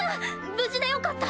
無事でよかった。